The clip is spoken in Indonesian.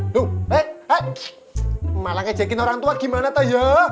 aduh eh eh malah ngejekin orang tua gimana tuh ya